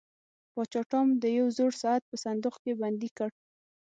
پاچا ټام د یو زوړ ساعت په صندوق کې بندي کړ.